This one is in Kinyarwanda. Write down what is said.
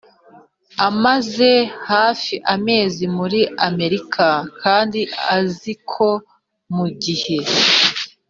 amaze hafi amezi muri Amerika kandi azi ko mu gihe